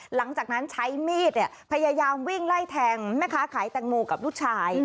หลังจากนั้นใช้มีดพยายามวิ่งไล่แทงแม่ค้าขายแตงโมกับลูกชาย